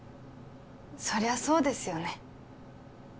そりゃそうですよね